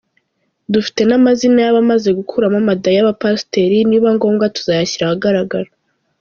Dufite n’amazina y’abamaze gukuramo amada y’aba pasiteri nibiba ngombwa tuzayashyira ahagaragara.